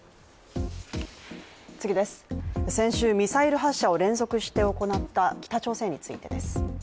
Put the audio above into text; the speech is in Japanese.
先週、ミサイル発射を連続して行った北朝鮮についてです。